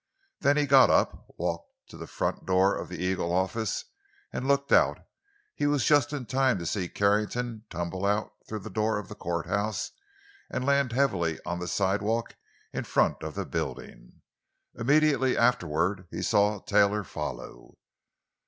Then he got up, walked to the front door of the Eagle office, and looked out. He was just in time to see Carrington tumble out through the door of the courthouse and land heavily on the sidewalk in front of the building. Immediately afterward he saw Taylor follow.